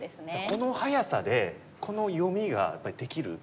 この早さでこの読みがやっぱりできる。